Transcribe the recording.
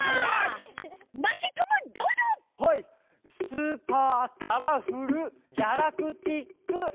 スーパーカラフルギャラクティックエクス。